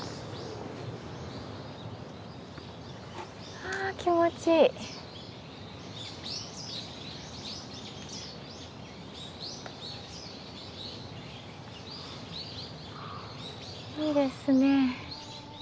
はあ気持ちいい。いいですね。